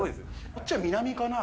こっちは南かな。